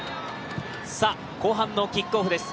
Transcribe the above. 後半のキックオフです。